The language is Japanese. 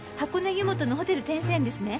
湯本のホテル天成園ですね。